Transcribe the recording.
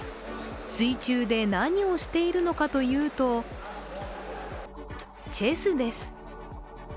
水中で何をしているのかというとチェスです。